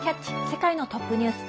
世界のトップニュース」。